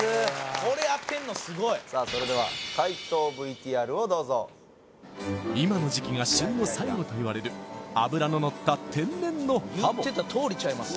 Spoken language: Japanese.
これ当てんのすごいさあそれでは解答ＶＴＲをどうぞ今の時期が旬の最後といわれる脂の乗った天然の鱧言ってたとおりちゃいます？